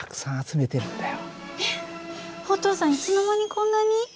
えっお父さんいつの間にこんなに？